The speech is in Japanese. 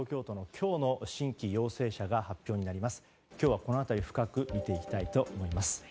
今日はこの辺り深く見ていきたいと思います。